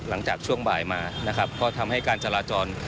หลังจากช่วงบ่ายมานะครับก็ทำให้การจราจร